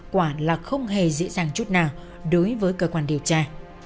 quả là không hề dễ dàng chút nào đối với cơ quan điều tra